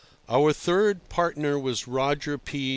Our third partner was Roger P.